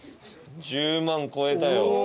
１０万超えたよ。